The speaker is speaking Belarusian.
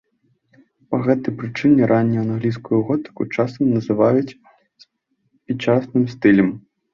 Па гэтай прычыне раннюю англійскую готыку часам называюць спічастым стылем.